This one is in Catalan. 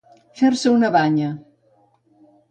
Fer-se una banya.